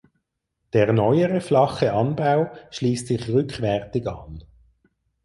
Der neuere flache Anbau schließt sich rückwärtig an.